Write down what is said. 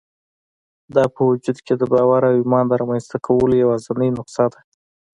دا په وجود کې د باور او ايمان د رامنځته کولو يوازېنۍ نسخه ده.